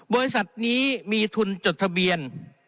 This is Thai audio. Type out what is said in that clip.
บริษัทนี้มีทุนจดทะเบียน